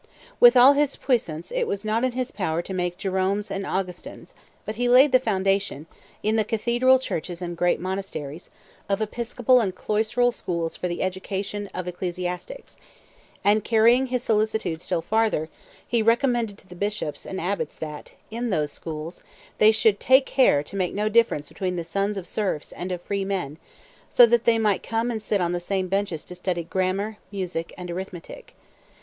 With all his puissance it was not in his power to make Jeromes and Augustins; but he laid the foundation, in the cathedral churches and the great monasteries, of episcopal and cloistral schools for the education of ecclesiastics, and carrying his solicitude still farther, he recommended to the bishops and abbots that, in those schools, "they should take care to make no difference between the sons of serfs and of free men, so that they might come and sit on the same benches to study grammar, music, and arithmetic."